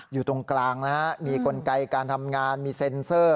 อยู่ตรงกลางนะฮะมีกลไกการทำงานมีเซ็นเซอร์